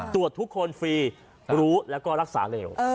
ตรวจทุกคนฟรีรู้แล้วก็รักษาเร็ว